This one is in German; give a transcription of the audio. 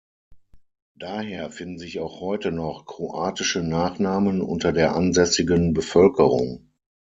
Daher finden sich auch heute noch kroatische Nachnamen unter der ansässigen Bevölkerung.